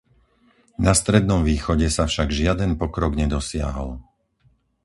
Na Strednom východe sa však žiaden pokrok nedosiahol.